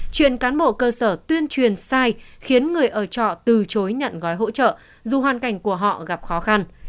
chuyện cán bộ cơ sở tuyên truyền sai khiến người ở trọ từ chối nhận gói hỗ trợ dù hoàn cảnh của họ gặp khó khăn